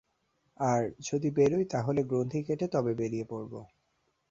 আর, যদি বেরোই তা হলে গ্রন্থি কেটে তবে বেড়িয়ে পড়ব।